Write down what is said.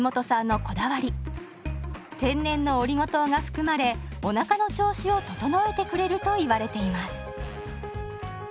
天然のオリゴ糖が含まれおなかの調子を整えてくれるといわれています。